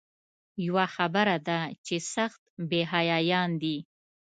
یوه خبره ده چې سخت بې حیایان دي.